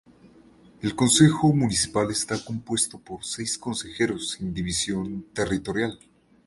El consejo municipal está compuesto por seis consejeros sin división territorial.